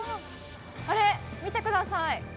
あれ、見てください。